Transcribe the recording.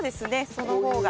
その方が。